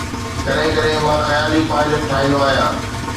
ڪڏهن ڪڏهن مان خيالي پائلف ٺاهيندو آهيان